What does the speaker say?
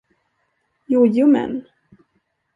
Jojomen!